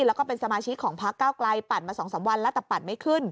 แล้วก็เป็นสมาชิกของพักเก้าไกลปั่นมา๒๓วันแล้วแต่ปั่นไม่ขึ้น